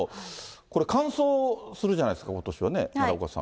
これ、乾燥するじゃないですか、ことしはね、奈良岡さん。